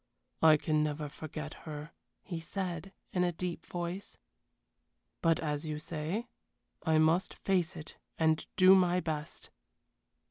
"I can never forget her," he said, in a deep voice; "but, as you say, I must face it and do my best."